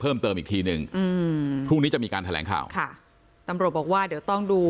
เพิ่มเติมอีกทีหนึ่งอืมพรุ่งนี้จะมีการแถลงข่าวค่ะตำรวจบอกว่าเดี๋ยวต้องดู